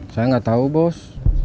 saya gak tau bos